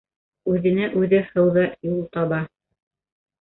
Үҙенә үҙе һыу ҙа юл таба.